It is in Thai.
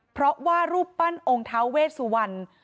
เพราะว่ารูปปั้นองค์ท้าเวสวรรณ